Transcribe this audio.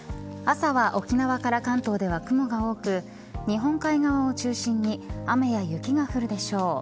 朝は沖縄から関東では雲が多く日本海側を中心に雨や雪が降るでしょう。